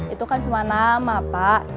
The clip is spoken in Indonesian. itu kan cuma nama pak